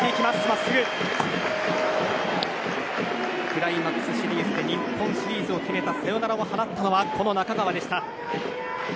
クライマックスシリーズで日本シリーズを決めたサヨナラを放ったのはこの中川でした。